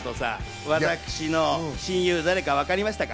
私の親友、誰かわかりましたか？